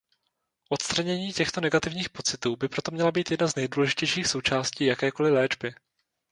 Odstranění těchto negativních pocitů by proto měla být jedna z nejdůležitějších součástí jakékoli léčby.